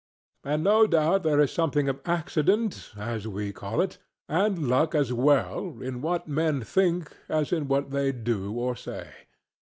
And no doubt there is something of accident (as we call it) and luck as well in what men think as in what they do or say.